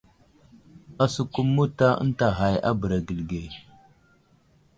Asəkum mota ənta ghay a bəra gəli ge.